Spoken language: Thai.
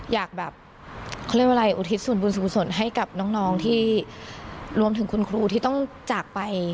อยากแบบเค้าเล่นว่าไลน์อุทิศสูญบุญสูญส่วนให้กับน้องน้องที่รวมถึงคุณครูที่ต้องจากไป